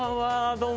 どうも。